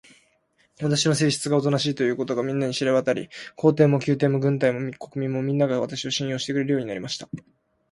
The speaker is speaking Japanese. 私の性質がおとなしいということが、みんなに知れわたり、皇帝も宮廷も軍隊も国民も、みんなが、私を信用してくれるようになりました。